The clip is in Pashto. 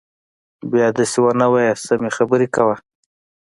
بيا دسې ونه وايي سمې خبرې کوه.